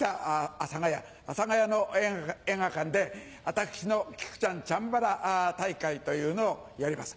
阿佐ヶ谷阿佐ヶ谷の映画館で私の「木久ちゃんチャンバラ大会」というのをやります。